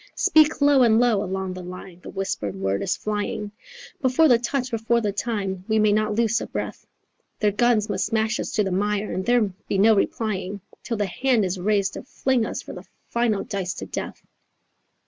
Speak low and low, along the line the whispered word is flying Before the touch, before the time, we may not loose a breath: Their guns must mash us to the mire and there be no replying, Till the hand is raised to fling us for the final dice to death.